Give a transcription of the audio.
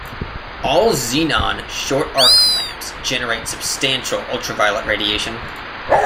All xenon short-arc lamps generate substantial ultraviolet radiation.